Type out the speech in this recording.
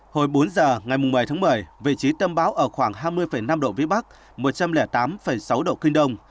hồi bốn giờ ngày một mươi tháng một mươi vị trí tâm bão ở khoảng hai mươi năm độ vĩ bắc một trăm linh tám sáu độ kinh đông